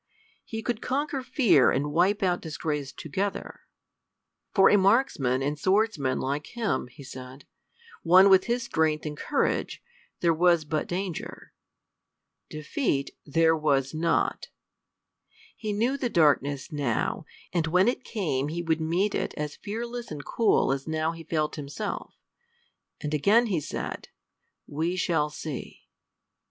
He could conquer fear and wipe out disgrace together. For a marksman and swordsman like him, he said, one with his strength and courage, there was but danger. Defeat there was not. He knew the darkness now, and when it came he would meet it as fearless and cool as now he felt himself. And again he said, "We shall see!"